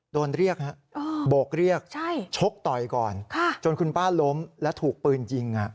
โดนเรียกฮะโบกเรียกชกต่อยก่อนจนคุณป้าล้มและถูกปืนยิง